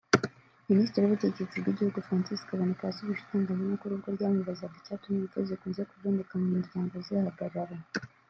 Minisitiri w’Ubutegetsi bw’igihugu Francis Kaboneka yasubije itangazamakuru ubwo ryamubazaga icyatuma impfu zikunze kuboneka mu miryango zihagarara